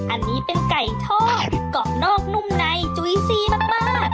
อันนี้เป็นไก่ทอดกรอบนอกนุ่มในจุ๋ยซีมาก